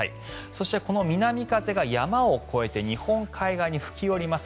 そして、この南風が山を越えて日本海側に吹き下ります。